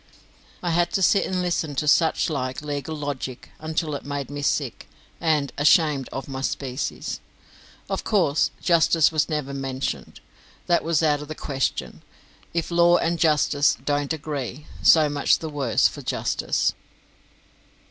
I had to sit and listen to such like legal logic until it made me sick, and ashamed of my species. Of course, justice was never mentioned, that was out of the question; if law and justice don't agree, so much the worse for justice.